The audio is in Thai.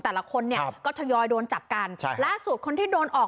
แต่ละคนเนี่ยก็ทยอยโดนจับกันใช่ล่าสุดคนที่โดนออก